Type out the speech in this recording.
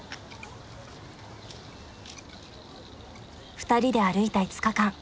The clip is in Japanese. ２人で歩いた５日間。